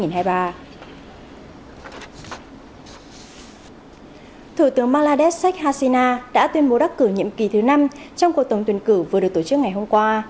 thủ tướng bangladesh shekhasina đã tuyên bố đắc cử nhiệm kỳ thứ năm trong cuộc tổng tuyển cử vừa được tổ chức ngày hôm qua